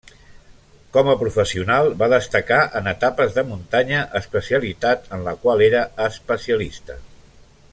Com a professional va destacar en etapes de muntanya, especialitat en la qual era especialista.